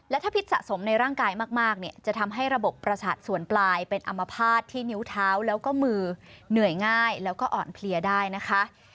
และถ้าพิษสะสมในร่างกายมากเนี่ยจะทำให้ระบบประสาทส่วนปลายเป็นอัมพาตที่นิ้วเท้าแล้วก็มือเหนื่อยง่ายแล้วก็อ่อนเพลียได้นะคะ